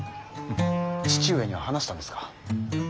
父上には話したんですか？